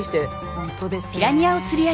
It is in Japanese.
本当ですね。